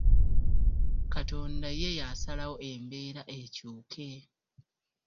Katonda ye yasalawo embeera ekyuke !